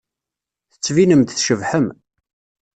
Tettbinem-d tcebḥem.